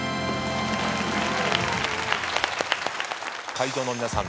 会場の皆さん